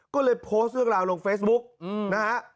ก็เลยโพสต์เรื่องราวลงเฟซบุ๊กนะฮะ